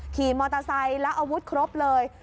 ขี่มอเตอร์ไซค์แล้วอาวุธครบเลย